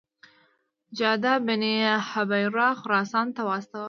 جعده بن هبیره خراسان ته واستاوه.